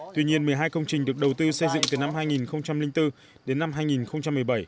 tuy nhiên một mươi hai công trình được đầu tư xây dựng từ năm hai nghìn bốn đến năm hai nghìn một mươi bảy